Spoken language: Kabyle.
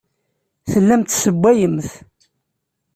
Tellamt tessewwayemt.